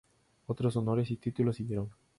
Otros honores y títulos siguieron.